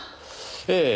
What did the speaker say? ええ。